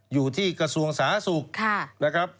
อยู่ที่กระทรวงสาธารสุข